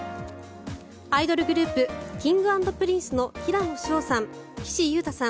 アイドルグループＫｉｎｇ＆Ｐｒｉｎｃｅの平野紫耀さん岸優太さん